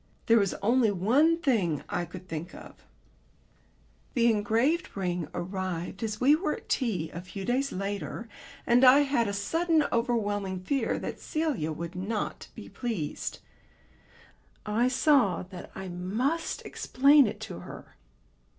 There was only one thing I could think of. The engraved ring arrived as we were at tea a few days later, and I had a sudden overwhelming fear that Celia would not be pleased. I saw that I must explain it to her.